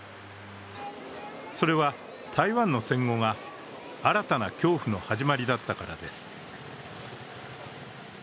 それは台湾の戦後が新たな恐怖の始まりだったからです。